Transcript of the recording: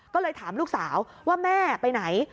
ก็เลยถามลูกสาวว่าแม่ไปไหน